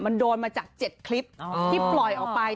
มันโดนมาจาก๗คลิปที่ปล่อยออกไป